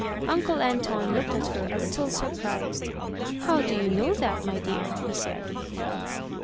Uncle Anton looked at her a little surprised. "How do you know that, my dear?" he said.